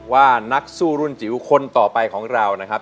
ว่านักสู้รุ่นจิ๋วคนต่อไปของเรานะครับ